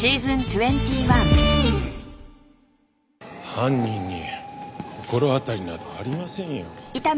犯人に心当たりなどありませんよ。